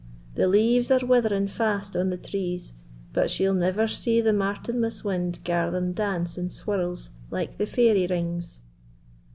The leaves are withering fast on the trees, but she'll never see the Martinmas wind gar them dance in swirls like the fairy rings."